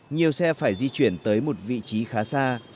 nhiều xe phải di chuyển tới một vị trí khá xa mới có chỗ đỗ